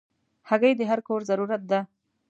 هګۍ د هر کور ضرورت ده.